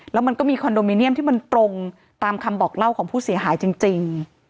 แล้วมันก็มีคอนโดมิเนียมที่มันตรงตามคำบอกเล่าของผู้เสียหายจริง